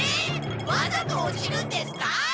わざと落ちるんですか？